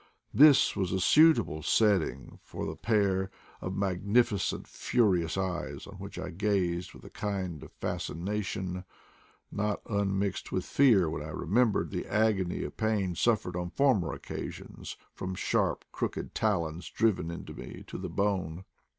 This was a suitable setting for the pair of magnificent furious eyes, on which I gazed with a kind of fas cination, not unmixed with fear when I remem bered the agony of pain suffered on former occa sions from sharp, crooked talons driven into me to the bone.